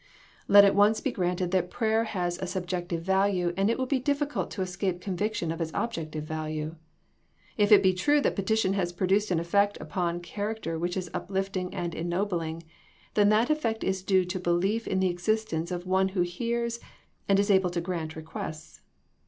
Let it once be granted that prayer has a sub jective value and it will be difl&cult to escape conviction of its objective value. If it be true that petition has produced an effect upon charac ter which is uplifting and ennobling, then that effect is due to belief in the existence of One who hears and is able to grant requests.